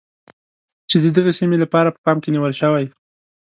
چې د دغې سیمې لپاره په پام کې نیول شوی.